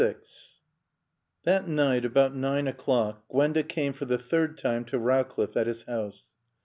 XXXVI That night, about nine o'clock, Gwenda came for the third time to Rowcliffe at his house.